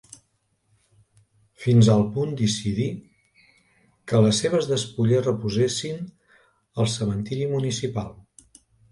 Fins al punt decidir, que les seves despulles reposessin al cementiri municipal.